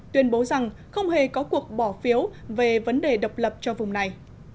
tuyên bố rằng không hề có cuộc bỏ phiếu về vấn đề độc lập cho vùng này